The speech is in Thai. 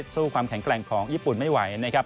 ความแข็งแกร่งของญี่ปุ่นไม่ไหวนะครับ